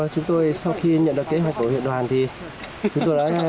chúng tôi sau khi nhận được kế hoạch của huyện đoàn thì chúng tôi đã